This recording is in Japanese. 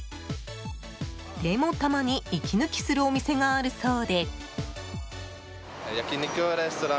でも、たまに息抜きするお店があるそうで。